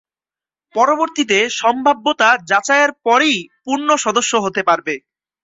পরবর্তীতে সম্ভাব্যতা যাচাইয়ের পরই পূর্ণ সদস্য হতে পারবে।